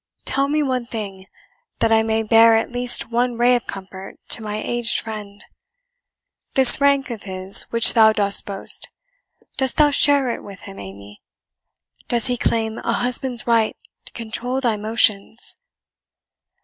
Tell me one thing, that I may bear at least one ray of comfort to my aged friend: this rank of his which thou dost boast dost thou share it with him, Amy? does he claim a husband's right to control thy motions?"